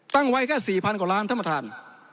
ตั้งไว้แค่๔๐๐๐กว่าล้านธรรมฐาน